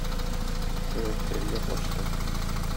Тәвәккәлләп ачты.